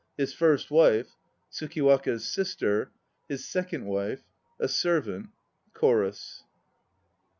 HIS FIRST WIFE. TSUKIWAKA'S SISTER. HIS SECOND WIFE. A SERVANT. CHORUS.